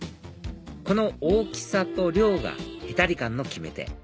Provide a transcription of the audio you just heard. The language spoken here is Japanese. この大きさと量がへたり感の決め手